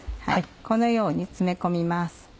このように詰め込みます。